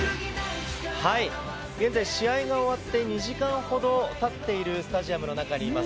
現在、試合が終わって２時間ほどたっているスタジアムの中にいます。